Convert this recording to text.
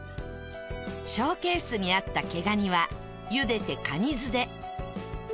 ショーケースにあった毛蟹はゆでてカニ酢で。